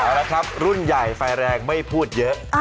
เอาละครับรุ่นใหญ่ไฟแรงไม่พูดเยอะ